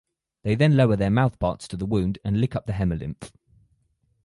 They then lower their mouth parts to the wound and lick up the hemolymph.